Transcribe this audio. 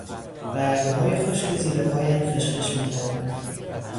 برگهای خشک زیر پایم خشخش میکردند.